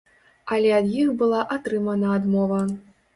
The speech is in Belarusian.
Але ад іх была атрымана адмова.